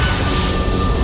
kau tidak bisa menangkapku